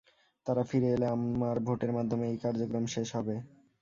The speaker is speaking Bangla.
তারা ফিরে এলে আমার ভোটের মাধ্যমে এই কার্যক্রম শেষ হবে।